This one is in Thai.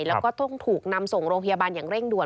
แล้วก็ต้องถูกนำส่งโรงพยาบาลอย่างเร่งด่ว